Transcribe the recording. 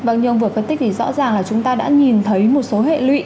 vâng như ông vừa phân tích thì rõ ràng là chúng ta đã nhìn thấy một số hệ lụy